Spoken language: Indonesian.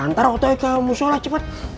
antara otoy ke musuh lah cepat